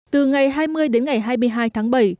từ ngày hai mươi đến ngày hai mươi hai tháng bảy